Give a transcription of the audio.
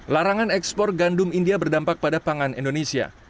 larangan ekspor gandum india berdampak pada pangan indonesia